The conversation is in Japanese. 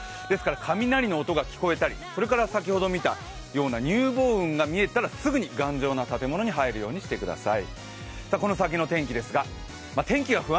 雷の音が聞こえたり先ほど見たような乳房雲が見えたらすぐに頑丈な建物に入るようにしてください。